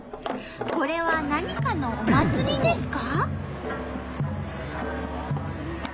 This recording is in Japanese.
これは何かのお祭りですか？